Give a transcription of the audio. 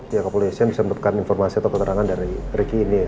pihak kepolisian bisa mendapatkan informasi atau keterangan dari ricky ini